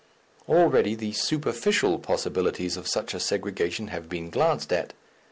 Already the superficial possibilities of such a segregation have been glanced at.